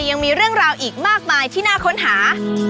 ยังมีเรื่องราวอีกมากมายที่น่าค้นหา